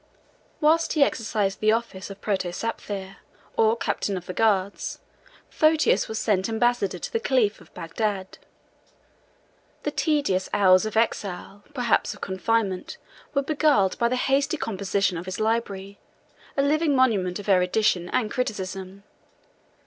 Whilst he exercised the office of protospathaire or captain of the guards, Photius was sent ambassador to the caliph of Bagdad. 108 The tedious hours of exile, perhaps of confinement, were beguiled by the hasty composition of his Library, a living monument of erudition and criticism.